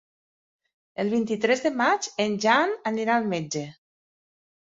El vint-i-tres de maig en Jan anirà al metge.